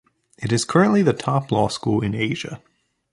It is currently the top law school in Asia.